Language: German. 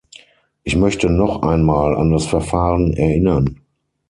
Ich möchte noch einmal an das Verfahren erinnern.